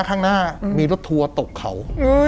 ข้างหน้ามีรถทัวร์ตกเขา